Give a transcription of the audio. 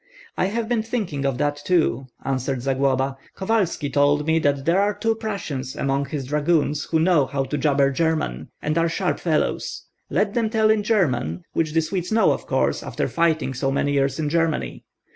"I have been thinking of that too," answered Zagloba. "Kovalski told me that there are two Prussians among his dragoons who know how to jabber German, and are sharp fellows. Let them tell in German, which the Swedes know of course, after fighting so many years in Germany.